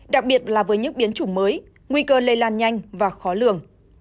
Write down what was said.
đặc biệt là với những biến chủng mới nguy cơ lây lan nhanh và khó lường